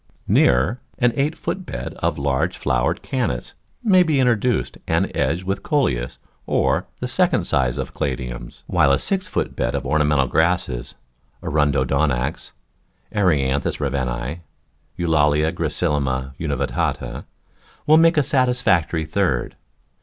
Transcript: Nearer, an eight foot bed of the large flowered Cannas may be introduced and edged with Coleus or the second size of Caladiums, while a six foot bed of ornamental grasses — Arundo Donax, Erianthus Ravennse, Eulalia gracillima univittata — will make a satisfactory third.